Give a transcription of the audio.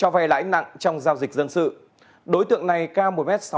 hoàn trọng khai thác cát